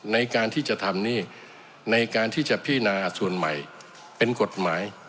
ในการที่จะทำหนี้ในการที่จะพินาส่วนใหม่เป็นกฎหมาย